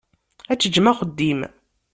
Ad teǧǧem axeddim.